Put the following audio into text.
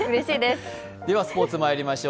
ではスポーツにまいりましょう。